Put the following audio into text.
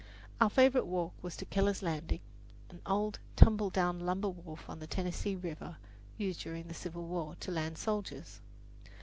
Our favourite walk was to Keller's Landing, an old tumbledown lumber wharf on the Tennessee River, used during the Civil War to land soldiers.